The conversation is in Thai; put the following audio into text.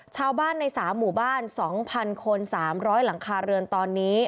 ชาวบ้านใน๓หมู่บ้าน๒๐๐คน๓๐๐หลังคาเรือนตอนนี้